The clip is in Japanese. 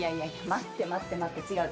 待って待って待って違う